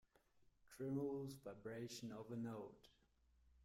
Tremulous vibration of a note.